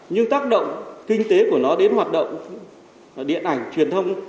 nhưng tác động kinh tế của nó đến hoạt động điện ảnh truyền thông